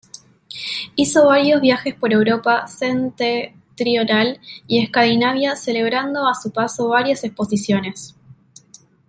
Hizo varios viajes por Europa septentrional y Escandinavia celebrando a su paso varias exposiciones.